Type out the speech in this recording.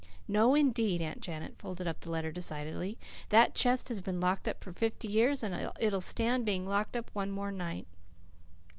"No, indeed!" Aunt Janet folded up the letter decidedly. "That chest has been locked up for fifty years, and it'll stand being locked up one more night.